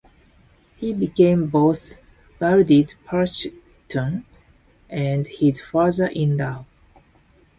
He became both Verdi's patron and his father-in-law.